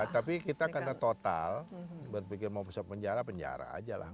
tapi kita karena total buat pikir mau masuk penjara penjara aja lah